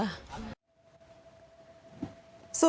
เนื่องจากนี้ไปก็คงจะต้องเข้มแข็งเป็นเสาหลักให้กับทุกคนในครอบครัว